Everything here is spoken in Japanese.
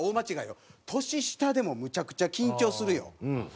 年下でもむちゃくちゃ緊張するよ。